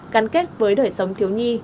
cắn kết với đời sống thiếu nhi